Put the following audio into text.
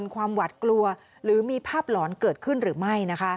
ความหวัดกลัวหรือมีภาพหลอนเกิดขึ้นหรือไม่